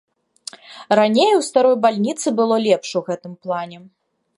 Раней у старой бальніцы было лепш у гэтым плане.